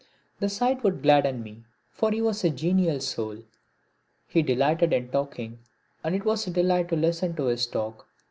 The sight would gladden me, for he was a genial soul. He delighted in talking and it was a delight to listen to his talk.